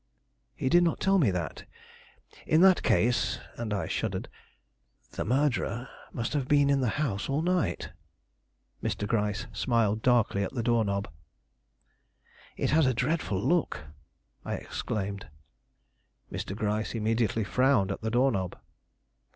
"He did not tell me that. In that case" and I shuddered "the murderer must have been in the house all night." Mr. Gryce smiled darkly at the door knob. "It has a dreadful look!" I exclaimed. Mr. Gryce immediately frowned at the door knob.